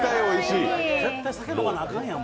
絶対酒飲まなあかんやん。